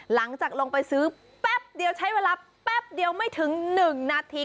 หลังจากลงไปซื้อแป๊บเดียวใช้เวลาแป๊บเดียวไม่ถึง๑นาที